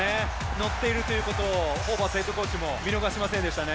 のっているということを、ホーバスヘッドコーチも見逃しませんでしたね。